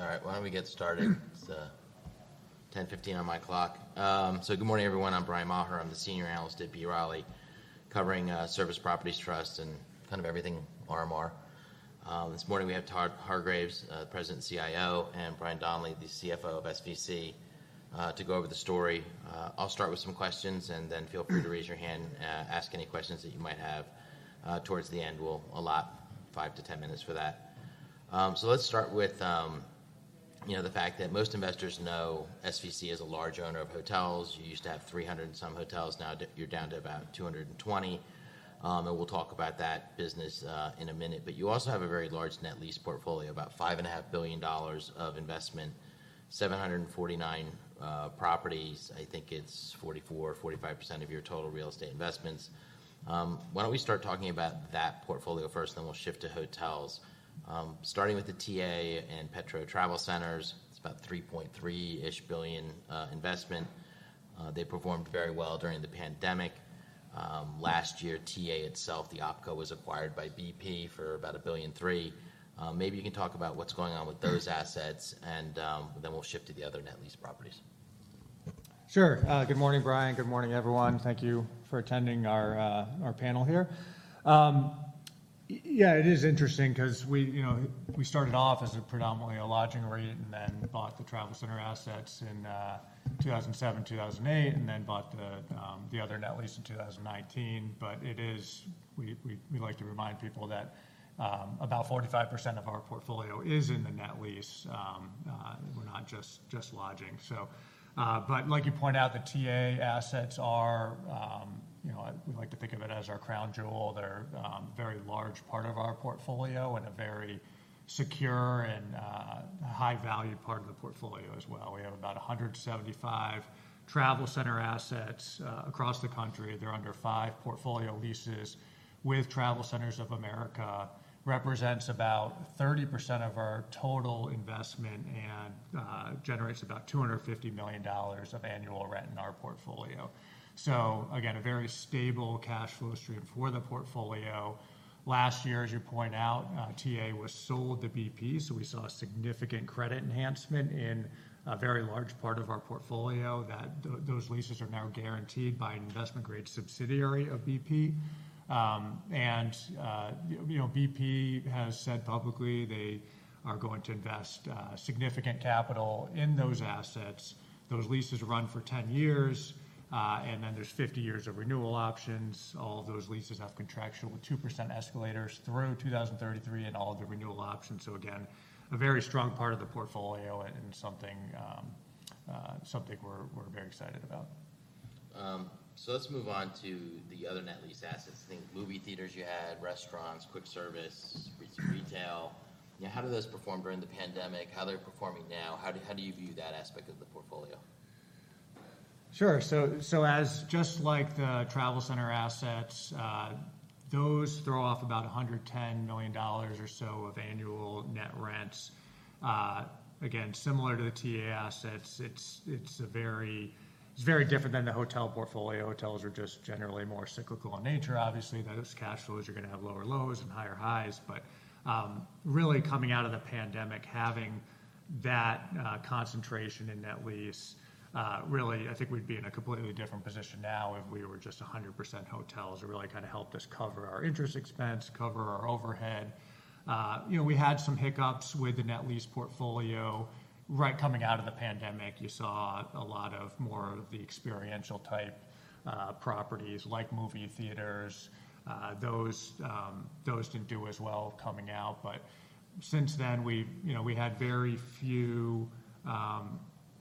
All right, why don't we get started? It's 10:15 A.M. on my clock. So good morning, everyone. I'm Bryan Maher. I'm the Senior Analyst at B. Riley, covering Service Properties Trust and kind of everything RMR. This morning we have Todd Hargreaves, the President and CIO, and Brian Donley, the CFO of SVC, to go over the story. I'll start with some questions, and then feel free to raise your hand, ask any questions that you might have. Towards the end, we'll allot 5-10 minutes for that. So let's start with you know, the fact that most investors know SVC is a large owner of hotels. You used to have 300 and some hotels, now you're down to about 220. And we'll talk about that business in a minute. But you also have a very large net lease portfolio, about $5.5 billion of investment, 749 properties. I think it's 44%-45% of your total real estate investments. Why don't we start talking about that portfolio first, then we'll shift to hotels. Starting with the TA and Petro Travel Centers, it's about $3.3 billion-ish investment. They performed very well during the pandemic. Last year, TA itself, the OpCo, was acquired by BP for about $1.3 billion. Maybe you can talk about what's going on with those assets and, then we'll shift to the other net lease properties. Sure. Good morning, Brian. Good morning, everyone. Thank you for attending our, our panel here. Yeah, it is interesting 'cause we, you know, we started off as a predominantly a lodging REIT, and then bought the Travel Center assets in 2007, 2008, and then bought the, the other net lease in 2019. But it is—we, we, we like to remind people that about 45% of our portfolio is in the net lease, we're not just, just lodging. So, but like you point out, the TA assets are, you know, we like to think of it as our crown jewel. They're a very large part of our portfolio and a very secure and high-value part of the portfolio as well. We have about 175 Travel Center assets across the country. They're under five portfolio leases with TravelCenters of America, represents about 30% of our total investment and generates about $250 million of annual rent in our portfolio. So again, a very stable cash flow stream for the portfolio. Last year, as you point out, TA was sold to BP, so we saw a significant credit enhancement in a very large part of our portfolio, those leases are now guaranteed by an investment-grade subsidiary of BP. And, you know, BP has said publicly they are going to invest significant capital in those assets. Those leases run for 10 years, and then there's 50 years of renewal options. All of those leases have contractual 2% escalators through 2033 in all of the renewal options. So again, a very strong part of the portfolio and something we're very excited about. So let's move on to the other net lease assets. I think movie theaters you had, restaurants, quick service, retail. You know, how did those perform during the pandemic? How they're performing now? How do you view that aspect of the portfolio? Sure. So, as just like the TravelCenters assets, those throw off about $110 million or so of annual net rents. Again, similar to the TA assets, it's a very... It's very different than the hotel portfolio. Hotels are just generally more cyclical in nature. Obviously, those cash flows are gonna have lower lows and higher highs. But, really coming out of the pandemic, having that concentration in net lease, really, I think we'd be in a completely different position now if we were just 100% hotels. It really kind of helped us cover our interest expense, cover our overhead. You know, we had some hiccups with the net lease portfolio. Right coming out of the pandemic, you saw a lot more of the experiential type properties, like movie theaters. Those didn't do as well coming out, but since then, we've, you know, we had very few. You know,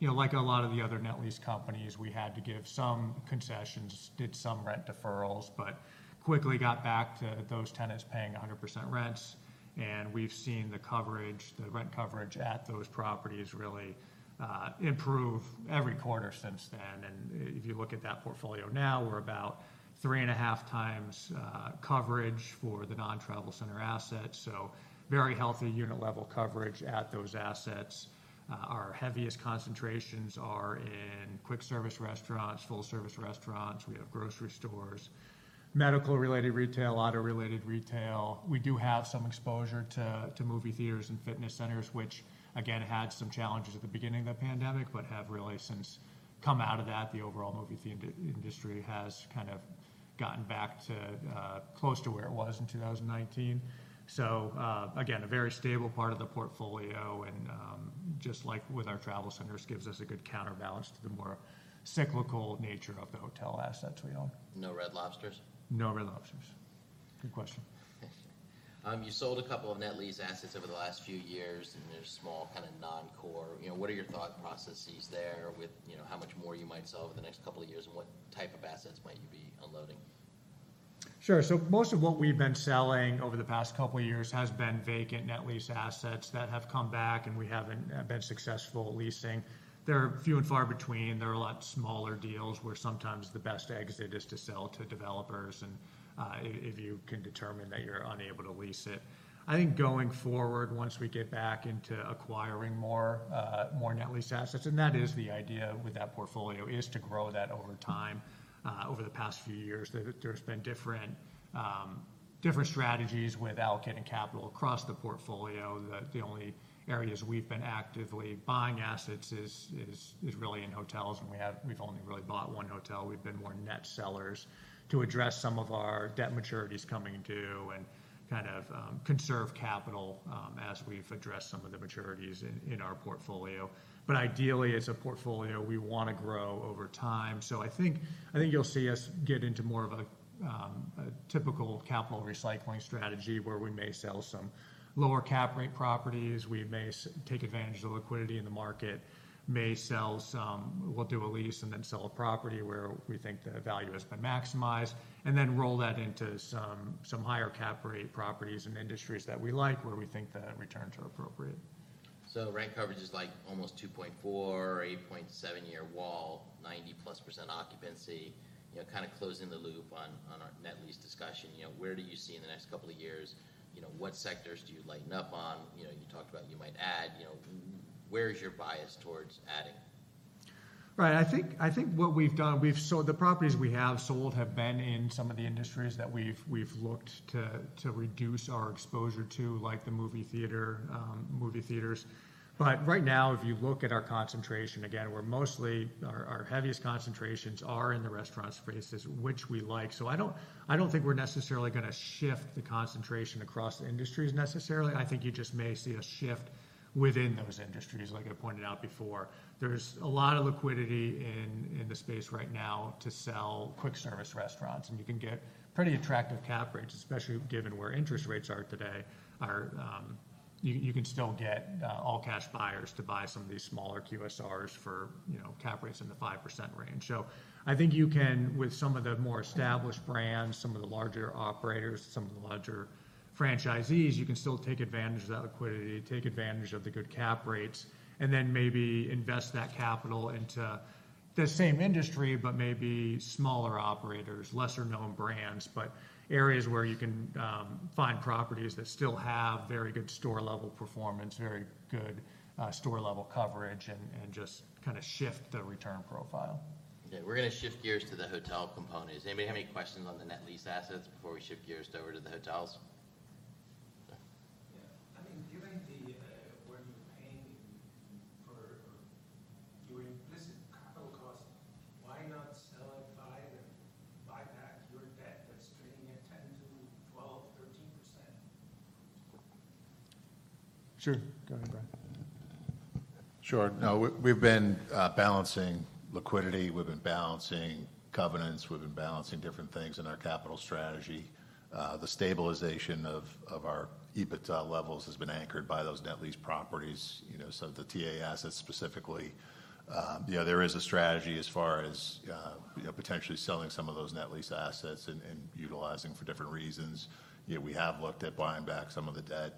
like a lot of the other net lease companies, we had to give some concessions, did some rent deferrals, but quickly got back to those tenants paying 100% rents. And we've seen the coverage, the rent coverage at those properties really improve every quarter since then. And if you look at that portfolio now, we're about 3.5x coverage for the non-Travel Center assets, so very healthy unit-level coverage at those assets. Our heaviest concentrations are in quick-service restaurants, full-service restaurants. We have grocery stores, medical-related retail, auto-related retail. We do have some exposure to movie theaters and fitness centers, which again, had some challenges at the beginning of the pandemic, but have really since come out of that. The overall movie industry has kind of gotten back to close to where it was in 2019. So, again, a very stable part of the portfolio, and just like with our Travel Centers, gives us a good counterbalance to the more cyclical nature of the hotel assets we own. No Red Lobsters? No Red Lobsters. Good question. You sold a couple of net lease assets over the last few years, and they're small, kind of non-core. You know, what are your thought processes there with, you know, how much more you might sell over the next couple of years, and what type of assets might you be unloading? Sure. So most of what we've been selling over the past couple of years has been vacant net lease assets that have come back, and we haven't been successful at leasing. They're few and far between. They're a lot smaller deals, where sometimes the best exit is to sell to developers and, if you can determine that you're unable to lease it. I think going forward, once we get back into acquiring more net lease assets, and that is the idea with that portfolio, is to grow that over time. Over the past few years, there's been different, different strategies with allocating capital across the portfolio, that the only areas we've been actively buying assets is really in hotels, and we've only really bought one hotel. We've been more net sellers to address some of our debt maturities coming due and kind of, conserve capital, as we've addressed some of the maturities in, in our portfolio. But ideally, as a portfolio, we want to grow over time. So I think, I think you'll see us get into more of a, a typical capital recycling strategy, where we may sell some lower cap rate properties. We may take advantage of the liquidity in the market, may sell some... We'll do a lease and then sell a property where we think the value has been maximized, and then roll that into some, some higher cap rate properties and industries that we like, where we think the returns are appropriate. So rent coverage is, like, almost 2.4, 8.7-year WAL, 90%+ occupancy. You know, kind of closing the loop on our net lease discussion, you know, where do you see in the next couple of years, you know, what sectors do you lighten up on? You know, you talked about you might add. You know, where is your bias towards adding? Right. I think what we've done, we've— So the properties we have sold have been in some of the industries that we've looked to reduce our exposure to, like the movie theater, movie theaters. But right now, if you look at our concentration again, we're mostly... Our heaviest concentrations are in the restaurant spaces, which we like. So I don't think we're necessarily gonna shift the concentration across the industries necessarily. I think you just may see a shift within those industries, like I pointed out before. There's a lot of liquidity in the space right now to sell quick service restaurants, and you can get pretty attractive cap rates, especially given where interest rates are today. You can still get all-cash buyers to buy some of these smaller QSRs for, you know, cap rates in the 5% range. So I think you can, with some of the more established brands, some of the larger operators, some of the larger franchisees, you can still take advantage of that liquidity, take advantage of the good cap rates, and then maybe invest that capital into the same industry, but maybe smaller operators, lesser-known brands, but areas where you can find properties that still have very good store-level performance, very good store-level coverage, and just kind of shift the return profile. Okay, we're going to shift gears to the hotel component. Does anybody have any questions on the net lease assets before we shift gears over to the hotels? Yeah. I mean, given the what you're paying for your implicit capital costs, why not sell it, buy back your debt that's trading at 10%-13%? Sure. Go ahead, Brian. Sure. No, we've been balancing liquidity, we've been balancing covenants, we've been balancing different things in our capital strategy. The stabilization of our EBITDA levels has been anchored by those net lease properties, you know, so the TA assets specifically. You know, there is a strategy as far as you know, potentially selling some of those net lease assets and utilizing for different reasons. You know, we have looked at buying back some of the debt.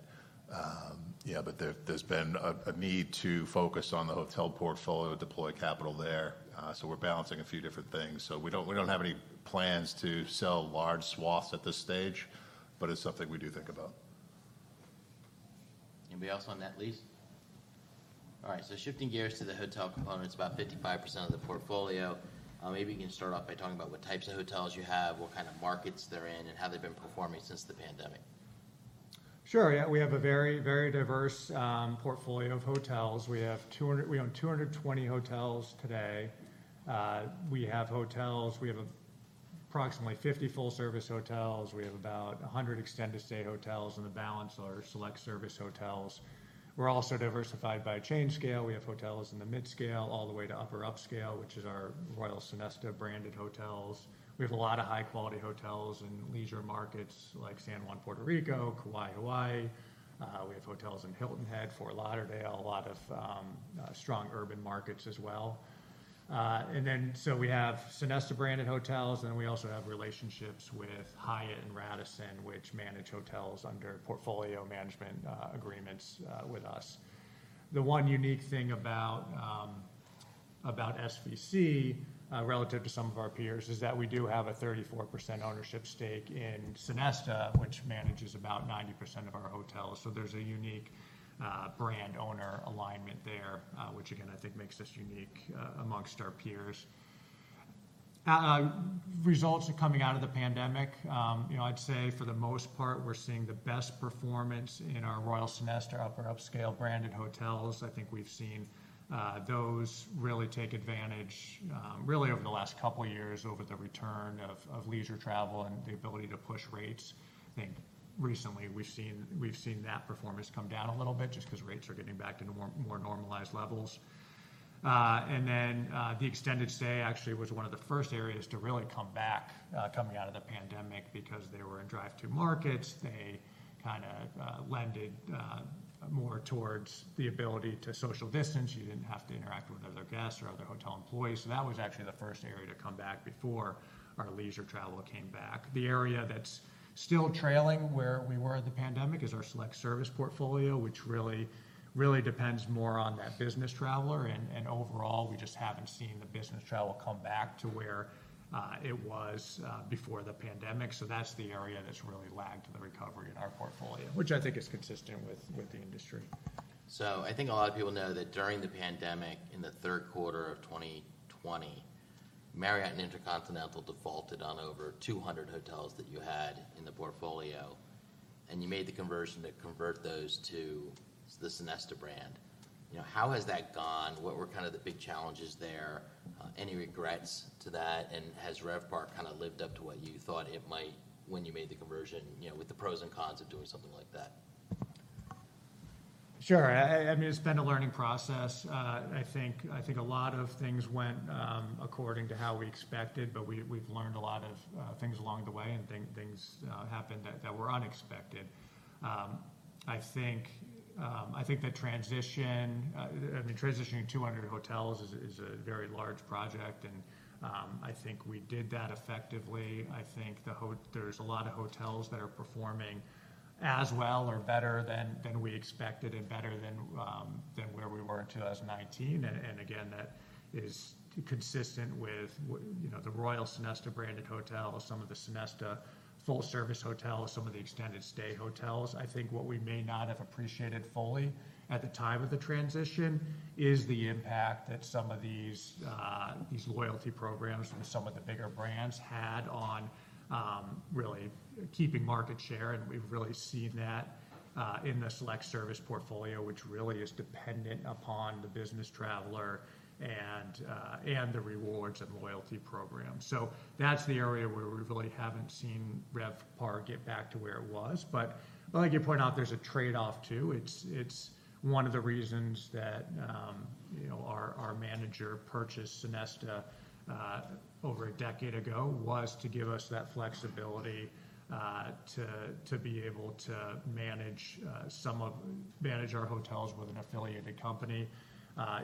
Yeah, but there's been a need to focus on the hotel portfolio, deploy capital there. So we're balancing a few different things. So we don't have any plans to sell large swaths at this stage, but it's something we do think about. Anybody else on net lease? All right, so shifting gears to the hotel component, it's about 55% of the portfolio. Maybe you can start off by talking about what types of hotels you have, what kind of markets they're in, and how they've been performing since the pandemic. Sure, yeah. We have a very, very diverse portfolio of hotels. We own 220 hotels today. We have approximately 50 full-service hotels. We have about 100 extended stay hotels, and the balance are select service hotels. We're also diversified by chain scale. We have hotels in the mid-scale, all the way to upper upscale, which is our Royal Sonesta branded hotels. We have a lot of high-quality hotels in leisure markets like San Juan, Puerto Rico, Kauai, Hawaii. We have hotels in Hilton Head, Fort Lauderdale, a lot of strong urban markets as well. And then, so we have Sonesta-branded hotels, and we also have relationships with Hyatt and Radisson, which manage hotels under portfolio management agreements with us. The one unique thing about SVC relative to some of our peers is that we do have a 34% ownership stake in Sonesta, which manages about 90% of our hotels. So there's a unique brand-owner alignment there, which again, I think makes us unique amongst our peers. Results are coming out of the pandemic. You know, I'd say for the most part, we're seeing the best performance in our Royal Sonesta upper upscale branded hotels. I think we've seen those really take advantage really over the last couple of years, over the return of leisure travel and the ability to push rates. I think recently we've seen that performance come down a little bit just because rates are getting back to more normalized levels. And then, the extended stay actually was one of the first areas to really come back, coming out of the pandemic because they were in drive-to markets. They kinda leaned more towards the ability to social distance. You didn't have to interact with other guests or other hotel employees, so that was actually the first area to come back before our leisure travel came back. The area that's still trailing where we were pre-pandemic is our select service portfolio, which really, really depends more on that business traveler, and overall, we just haven't seen the business travel come back to where it was before the pandemic. So that's the area that's really lagged the recovery in our portfolio, which I think is consistent with the industry. So I think a lot of people know that during the pandemic, in the third quarter of 2020, Marriott and InterContinental defaulted on over 200 hotels that you had in the portfolio, and you made the conversion to convert those to the Sonesta brand. You know, how has that gone? What were kind of the big challenges there? Any regrets to that? And has RevPAR kind of lived up to what you thought it might when you made the conversion, you know, with the pros and cons of doing something like that? Sure. I mean, it's been a learning process. I think a lot of things went according to how we expected, but we've learned a lot of things along the way, and things happened that were unexpected. I think the transition, I mean, transitioning 200 hotels is a very large project, and I think we did that effectively. I think there's a lot of hotels that are performing as well or better than we expected and better than where we were in 2019. And again, that is consistent with, you know, the Royal Sonesta branded hotels, some of the Sonesta full-service hotels, some of the extended stay hotels. I think what we may not have appreciated fully at the time of the transition is the impact that some of these these loyalty programs from some of the bigger brands had on really keeping market share, and we've really seen that in the select service portfolio, which really is dependent upon the business traveler and the rewards and loyalty program. So that's the area where we really haven't seen RevPAR get back to where it was. But like you point out, there's a trade-off, too. It's one of the reasons that you know, our manager purchased Sonesta over a decade ago, was to give us that flexibility to be able to manage manage our hotels with an affiliated company.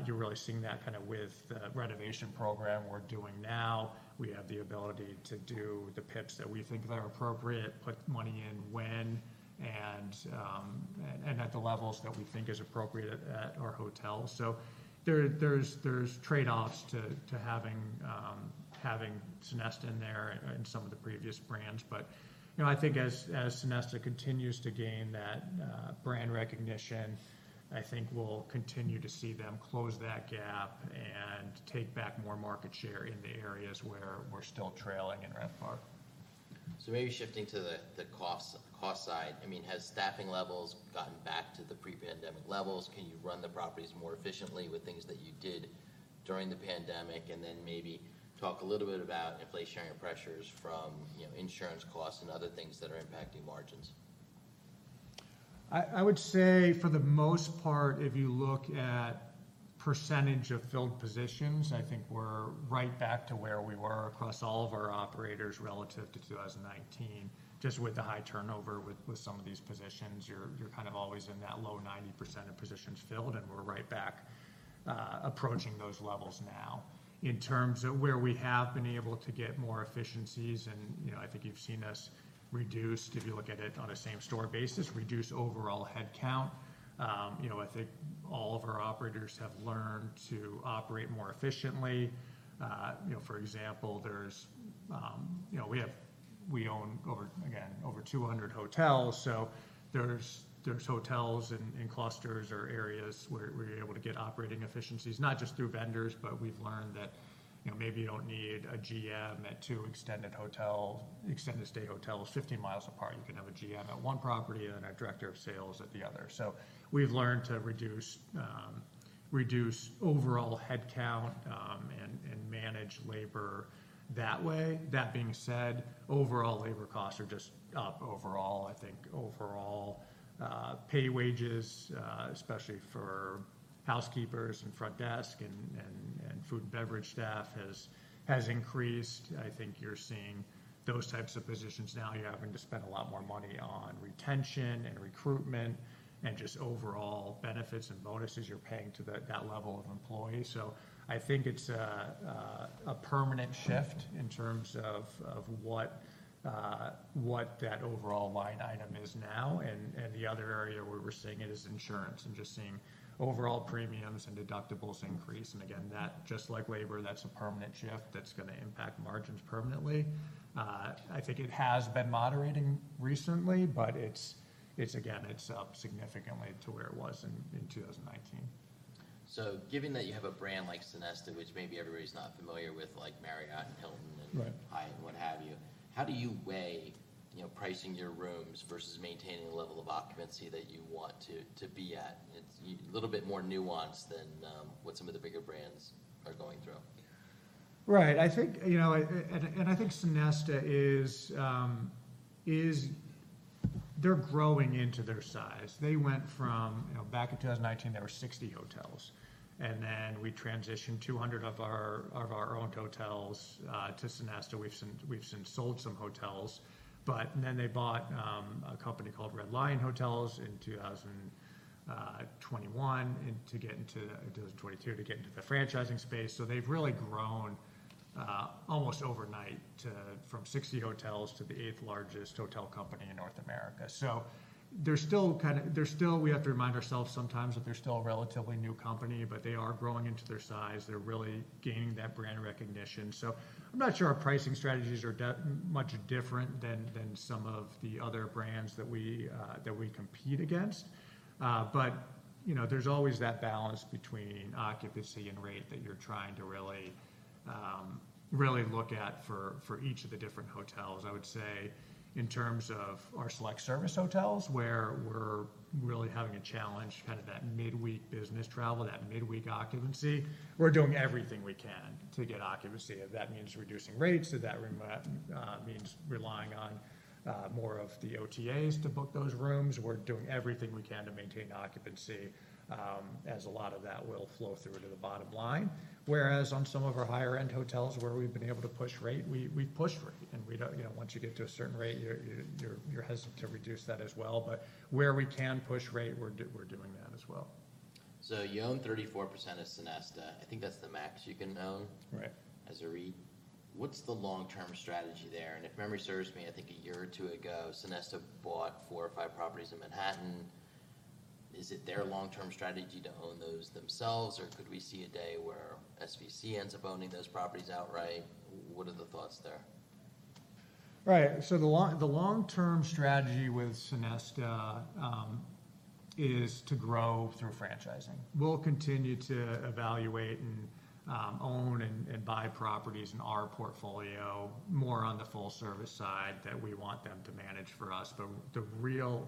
You're really seeing that kind of with the renovation program we're doing now. We have the ability to do the PIPs that we think are appropriate, put money in when and at the levels that we think is appropriate at our hotels. So there's trade-offs to having Sonesta in there and some of the previous brands. But, you know, I think as Sonesta continues to gain that brand recognition, I think we'll continue to see them close that gap and take back more market share in the areas where we're still trailing in RevPAR. So maybe shifting to the cost side. I mean, has staffing levels gotten back to the pre-pandemic levels? Can you run the properties more efficiently with things that you did during the pandemic? And then maybe talk a little bit about inflation and pressures from, you know, insurance costs and other things that are impacting margins. I would say for the most part, if you look at percentage of filled positions, I think we're right back to where we were across all of our operators relative to 2019. Just with the high turnover with some of these positions, you're kind of always in that low 90% of positions filled, and we're right back approaching those levels now. In terms of where we have been able to get more efficiencies, and you know, I think you've seen us reduce, if you look at it on a same store basis, reduce overall headcount. You know, I think all of our operators have learned to operate more efficiently. You know, for example, there's... You know, we own over, again, over 200 hotels, so there's hotels in clusters or areas where we're able to get operating efficiencies, not just through vendors, but we've learned that, you know, maybe you don't need a GM at two extended stay hotels 15 miles apart. You can have a GM at one property and a director of sales at the other. So we've learned to reduce overall headcount and manage labor that way. That being said, overall labor costs are just up overall. I think overall, pay wages, especially for housekeepers and front desk and food and beverage staff, has increased. I think you're seeing those types of positions now, you're having to spend a lot more money on retention and recruitment and just overall benefits and bonuses you're paying to the- that level of employee. So I think it's a permanent shift in terms of what that overall line item is now. And the other area where we're seeing it is insurance, and just seeing overall premiums and deductibles increase. And again, that just like labor, that's a permanent shift that's gonna impact margins permanently. I think it has been moderating recently, but it's again, it's up significantly to where it was in 2019. Given that you have a brand like Sonesta, which maybe everybody's not familiar with, like Marriott and Hilton and- Right... Hyatt, and what have you, how do you weigh, you know, pricing your rooms versus maintaining the level of occupancy that you want to be at? It's a little bit more nuanced than what some of the bigger brands are going through. Right. I think, you know, and, and I think Sonesta is, they're growing into their size. They went from, you know, back in 2019, there were 60 hotels, and then we transitioned 200 of our, of our owned hotels, to Sonesta. We've since, we've since sold some hotels, but then they bought, a company called Red Lion Hotels in 2021, and to get into 2022, to get into the franchising space. So they've really grown almost overnight to, from 60 hotels to the 8th largest hotel company in North America. So they're still kinda they're still We have to remind ourselves sometimes that they're still a relatively new company, but they are growing into their size. They're really gaining that brand recognition. So I'm not sure our pricing strategies are that much different than some of the other brands that we compete against. But you know, there's always that balance between occupancy and rate that you're trying to really look at for each of the different hotels. I would say, in terms of our select service hotels, where we're really having a challenge, kind of that midweek business travel, that midweek occupancy, we're doing everything we can to get occupancy. If that means reducing rates, if that means relying on more of the OTAs to book those rooms, we're doing everything we can to maintain occupancy, as a lot of that will flow through to the bottom line. Whereas on some of our higher-end hotels where we've been able to push rate, we've pushed rate, and we don't. You know, once you get to a certain rate, you're hesitant to reduce that as well. But where we can push rate, we're doing that as well. You own 34% of Sonesta. I think that's the max you can own- Right as a REIT. What's the long-term strategy there? And if memory serves me, I think a year or two ago, Sonesta bought four or five properties in Manhattan. Is it their long-term strategy to own those themselves, or could we see a day where SVC ends up owning those properties outright? What are the thoughts there? Right. So the long-term strategy with Sonesta is to grow through franchising. We'll continue to evaluate and own and buy properties in our portfolio, more on the full-service side, that we want them to manage for us. The real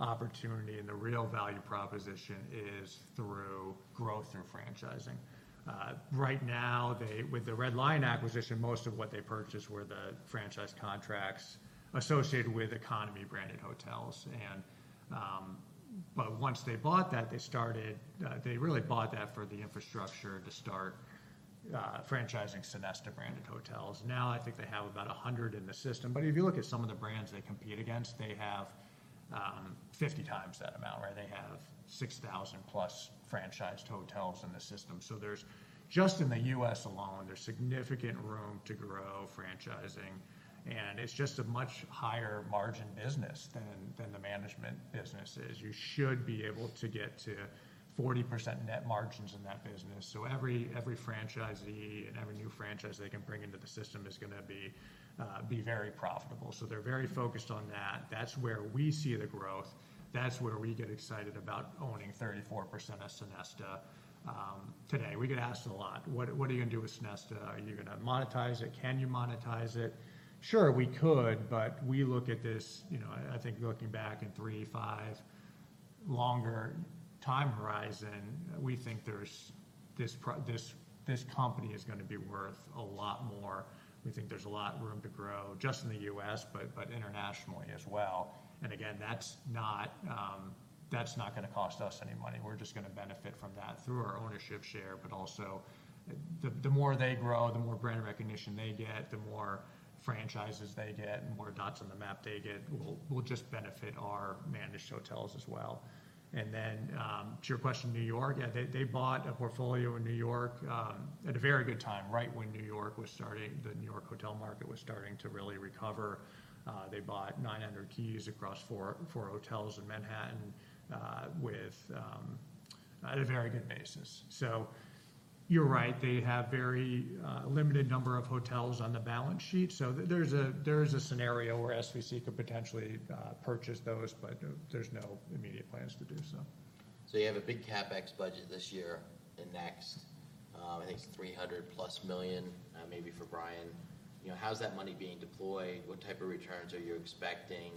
opportunity and the real value proposition is through growth and franchising. Right now, with the Red Lion acquisition, most of what they purchased were the franchise contracts associated with economy-branded hotels. But once they bought that, they really bought that for the infrastructure to start franchising Sonesta-branded hotels. Now, I think they have about 100 in the system, but if you look at some of the brands they compete against, they have 50 times that amount, right? They have 6,000 plus franchised hotels in the system. So there's, just in the U.S. alone, there's significant room to grow franchising, and it's just a much higher margin business than the management business is. You should be able to get to 40% net margins in that business. So every franchisee and every new franchise they can bring into the system is gonna be very profitable. So they're very focused on that. That's where we see the growth. That's where we get excited about owning 34% of Sonesta today. We get asked a lot, "What are you gonna do with Sonesta? Are you gonna monetize it? Can you monetize it?" Sure, we could, but we look at this, you know, I think looking back in three, five, longer time horizon, we think this company is gonna be worth a lot more. We think there's a lot of room to grow, just in the U.S., but internationally as well. And again, that's not gonna cost us any money. We're just gonna benefit from that through our ownership share. But also, the more they grow, the more brand recognition they get, the more franchises they get, and more dots on the map they get, will just benefit our managed hotels as well. And then, to your question, New York, yeah, they bought a portfolio in New York, at a very good time, right when New York was starting, the New York hotel market was starting to really recover. They bought 900 keys across four hotels in Manhattan, with at a very good basis. So you're right, they have very limited number of hotels on the balance sheet. So there is a scenario where SVC could potentially purchase those, but there's no immediate plans to do so. So you have a big CapEx budget this year and next, I think $300 million+, maybe for Brian. You know, how's that money being deployed? What type of returns are you expecting?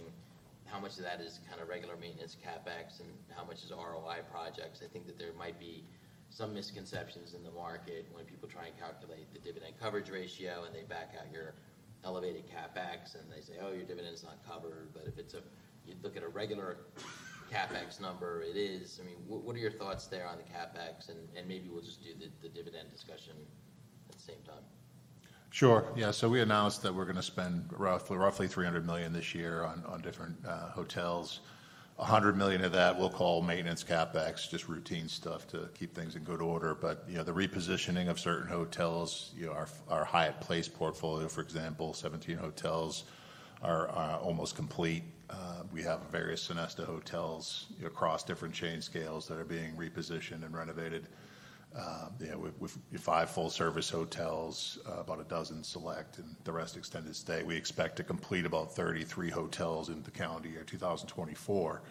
How much of that is kind of regular maintenance CapEx, and how much is ROI projects? I think that there might be some misconceptions in the market when people try and calculate the dividend coverage ratio, and they back out your elevated CapEx, and they say, "Oh, your dividend's not covered." But if it's a, you look at a regular CapEx number, it is. I mean, what, what are your thoughts there on the CapEx? And, and maybe we'll just do the, the dividend discussion at the same time. Sure. Yeah, so we announced that we're gonna spend roughly $300 million this year on different hotels. $100 million of that, we'll call maintenance CapEx, just routine stuff to keep things in good order. But, you know, the repositioning of certain hotels, you know, our Hyatt Place portfolio, for example, 17 hotels are almost complete. We have various Sonesta hotels across different chain scales that are being repositioned and renovated, you know, with five full-service hotels, about a dozen select, and the rest extended stay. We expect to complete about 33 hotels in the calendar year 2024.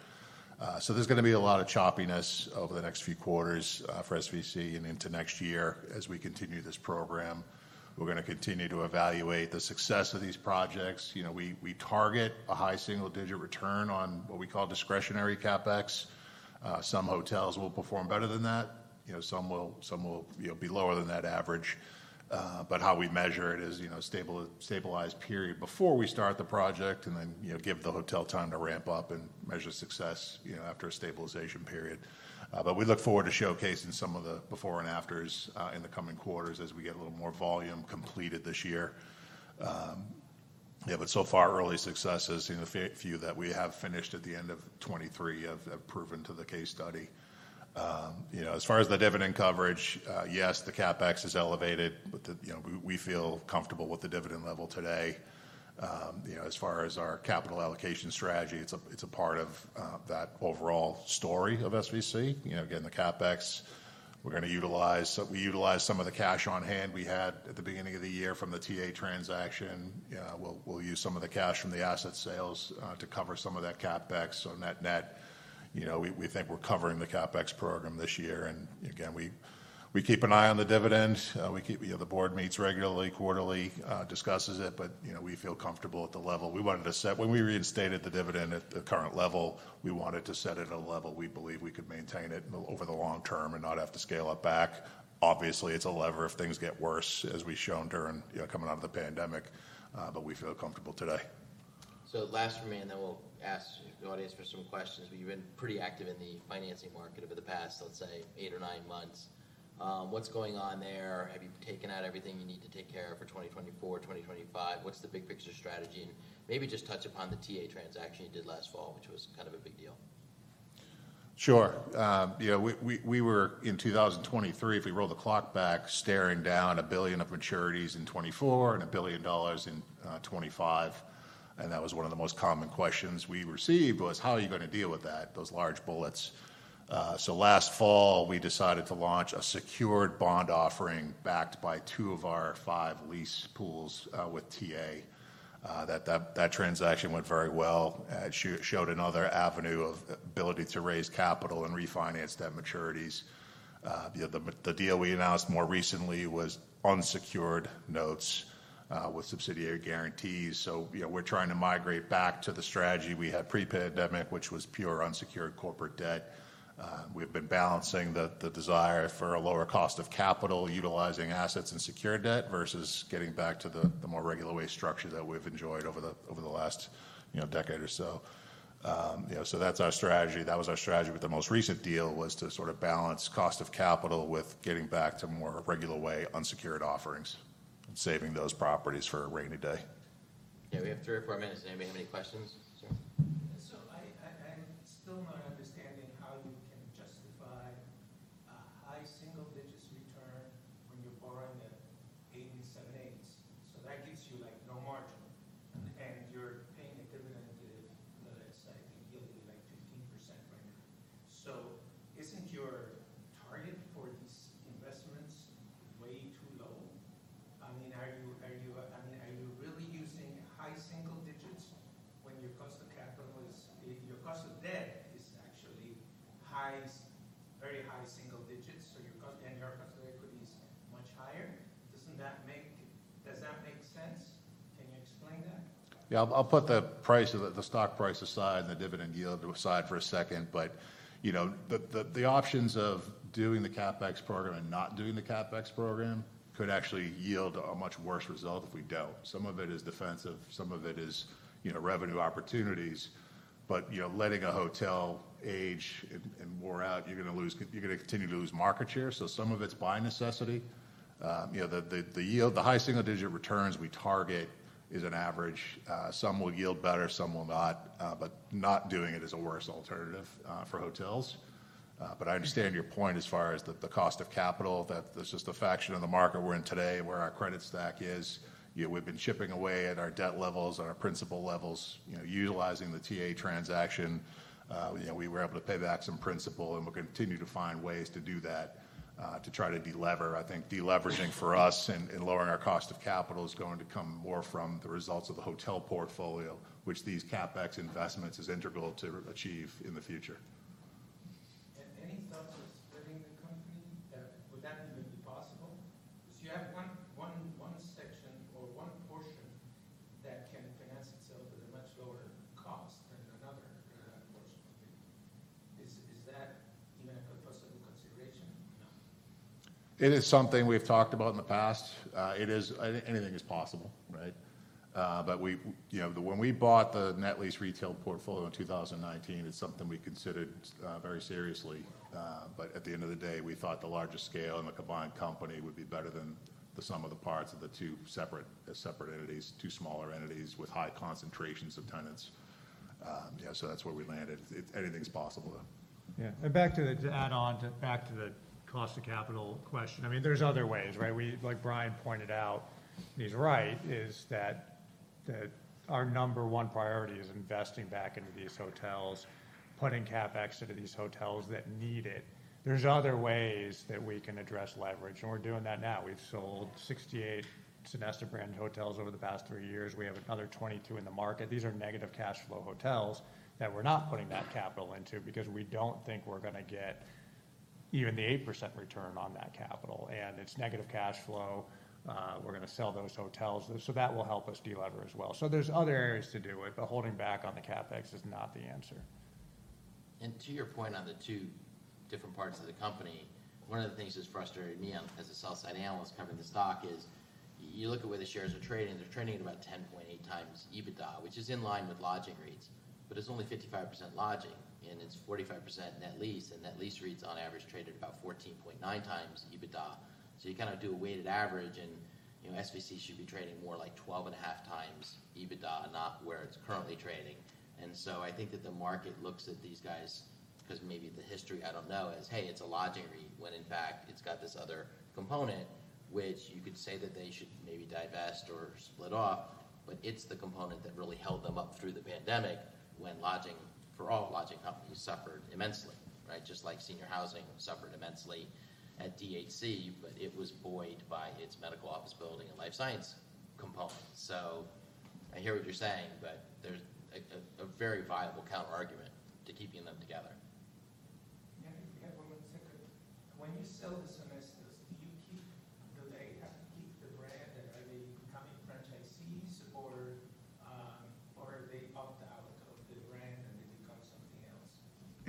So there's gonna be a lot of choppiness over the next few quarters for SVC and into next year as we continue this program. We're gonna continue to evaluate the success of these projects. You know, we target a high single-digit return on what we call discretionary CapEx. Some hotels will perform better than that, you know, some will be lower than that average. But how we measure it is, you know, stabilized period before we start the project, and then, you know, give the hotel time to ramp up and measure success, you know, after a stabilization period. But we look forward to showcasing some of the before and afters in the coming quarters as we get a little more volume completed this year. Yeah, but so far, early successes in the few that we have finished at the end of 2023 have proven to the case study. You know, as far as the dividend coverage, yes, the CapEx is elevated, but the, you know, we, we feel comfortable with the dividend level today. You know, as far as our capital allocation strategy, it's a, it's a part of, that overall story of SVC. You know, again, the CapEx, we're gonna utilize, so we utilized some of the cash on hand we had at the beginning of the year from the TA transaction. We'll, we'll use some of the cash from the asset sales, to cover some of that CapEx. So net-net, you know, we, we think we're covering the CapEx program this year, and again, we, we keep an eye on the dividend. You know, the board meets regularly, quarterly, discusses it, but, you know, we feel comfortable at the level we wanted to set. When we reinstated the dividend at the current level, we wanted to set it at a level we believe we could maintain it over the long term and not have to scale it back. Obviously, it's a lever if things get worse, as we've shown during, you know, coming out of the pandemic, but we feel comfortable today. So last for me, and then we'll ask the audience for some questions. But you've been pretty active in the financing market over the past, let's say, eight or nine months. What's going on there? Have you taken out everything you need to take care of for 2024, 2025? What's the big picture strategy? And maybe just touch upon the TA transaction you did last fall, which was kind of a big deal. Sure. You know, we were in 2023, if we roll the clock back, staring down $1 billion of maturities in 2024 and $1 billion in 2025, and that was one of the most common questions we received was: How are you gonna deal with that, those large bullets? So last fall, we decided to launch a secured bond offering backed by two of our five lease pools with TA. That transaction went very well. It showed another avenue of ability to raise capital and refinance debt maturities. You know, the deal we announced more recently was unsecured notes with subsidiary guarantees. So, you know, we're trying to migrate back to the strategy we had pre-pandemic, which was pure unsecured corporate debt. We've been balancing the desire for a lower cost of capital, utilizing assets and secured debt, versus getting back to the more regular way structure that we've enjoyed over the last, you know, decade or so. You know, so that's our strategy. That was our strategy with the most recent deal, was to sort of balance cost of capital with getting back to more regular way unsecured offerings, saving those properties for a rainy day. Yeah, we have three or four minutes. Anybody have any questions? is an average. Some will yield better, some will not. But not doing it is a worse alternative for hotels. But I understand your point as far as the, the cost of capital, that it's just a facet of the market we're in today, where our credit stack is. You know, we've been chipping away at our debt levels and our principal levels, you know, utilizing the TA transaction. You know, we were able to pay back some principal, and we'll continue to find ways to do that, to try to delever. I think deleveraging for us and, and lowering our cost of capital is going to come more from the results of the hotel portfolio, which these CapEx investments is integral to achieve in the future. Any thoughts of splitting the company? Would that even be possible? Because you have one section or one portion that can finance itself at a much lower cost than another portion. Is that, you know, a possible consideration? It is something we've talked about in the past. Anything is possible, right? But we, you know, when we bought the net lease retail portfolio in 2019, it's something we considered very seriously. But at the end of the day, we thought the larger scale and the combined company would be better than the sum of the parts of the two separate entities, two smaller entities with high concentrations of tenants. Yeah, so that's where we landed. Anything's possible, though. Yeah. Back to add on to, back to the cost of capital question, I mean, there's other ways, right? We, like Brian pointed out, he's right, is that, that our number one priority is investing back into these hotels, putting CapEx into these hotels that need it. There's other ways that we can address leverage, and we're doing that now. We've sold 68 Sonesta brand hotels over the past three years. We have another 22 in the market. These are negative cash flow hotels that we're not putting that capital into because we don't think we're gonna get even the 8% return on that capital, and it's negative cash flow. We're gonna sell those hotels, so that will help us delever as well. So there's other areas to do it, but holding back on the CapEx is not the answer. And to your point on the two different parts of the company, one of the things that's frustrated me, as a sell-side analyst covering the stock, is you look at where the shares are trading, they're trading at about 10.8x EBITDA, which is in line with lodging REITs, but it's only 55% lodging, and it's 45% net lease. And net lease REITs on average trade at about 14.9x EBITDA. So you kind of do a weighted average, and you know, SVC should be trading more like 12.5x EBITDA, not where it's currently trading. And so I think that the market looks at these guys, because maybe the history, I don't know, is, "Hey, it's a lodging REIT," when in fact, it's got this other component, which you could say that they should maybe divest or split off, but it's the component that really held them up through the pandemic, when lodging, for all lodging companies, suffered immensely, right? Just like senior housing suffered immensely at DHC, but it was buoyed by its medical office building and life science component. So I hear what you're saying, but there's a very viable counterargument to keeping them together. Yeah, I have one more second. When you sell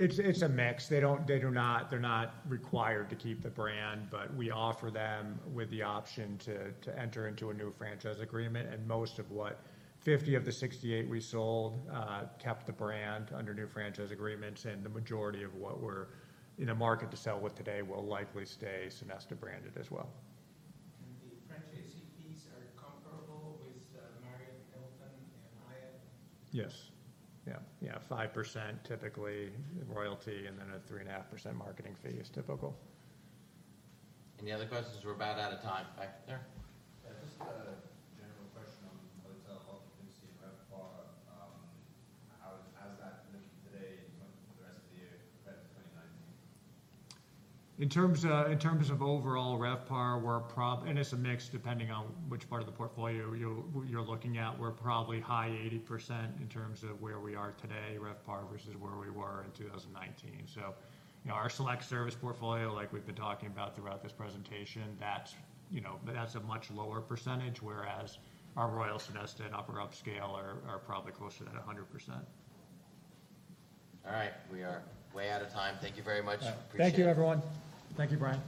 the Sonestas, do they have to keep the brand, and are they becoming franchisees or, or they opt out of the brand, and they become something else? It's a mix. They do not—they're not required to keep the brand, but we offer them with the option to enter into a new franchise agreement. And most of what, 50 of the 68 we sold kept the brand under new franchise agreements, and the majority of what we're in a market to sell with today will likely stay Sonesta branded as well. And the franchisee fees are comparable with Marriott, Hilton, and Hyatt? Yes. Yeah. Yeah, 5%, typically, royalty, and then a 3.5% marketing fee is typical. Any other questions? We're about out of time. Back there. Yeah, just a general question on hotel occupancy and RevPAR. How is that looking today and looking for the rest of the year compared to 2019? In terms of, in terms of overall RevPAR, we're probably. And it's a mix, depending on which part of the portfolio you're looking at. We're probably high 80% in terms of where we are today, RevPAR, versus where we were in 2019. So, you know, our select service portfolio, like we've been talking about throughout this presentation, that's, you know, that's a much lower percentage, whereas our Royal Sonesta and upper upscale are probably closer to that 100%. All right. We are way out of time. Thank you very much. Appreciate it. Thank you, everyone. Thank you, Bryan.